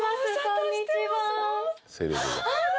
こんにちはハッ！